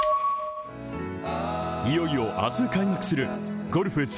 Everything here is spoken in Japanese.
いよいよ明日開幕するゴルフ